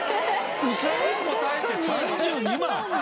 うさぎ答えて３２万！？